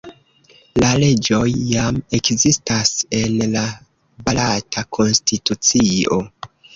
La leĝoj jam ekzistas en la barata konstitucio.